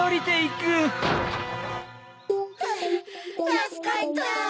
たすかった。